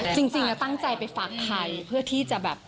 จริงตั้งใจไปฝากใครเพื่อที่จะแบบ